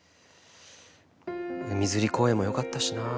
「海釣り公園」もよかったしなぁ。